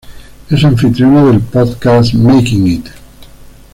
Es anfitriona del podcast "Making It".